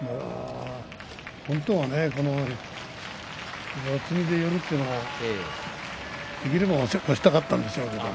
本当は四つ身で寄るというのはできればね押したかったんでしょうけどね。